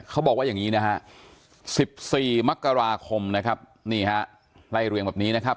เขาบอกว่าอย่างนี้นะฮะ๑๔มกราคมนะครับนี่ฮะไล่เรียงแบบนี้นะครับ